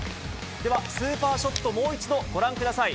では、スーパーショット、もう一度ご覧ください。